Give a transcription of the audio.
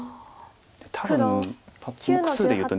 多分目数でいうと。